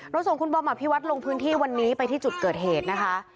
ส่งคุณบอมอภิวัตรลงพื้นที่วันนี้ไปที่จุดเกิดเหตุนะคะ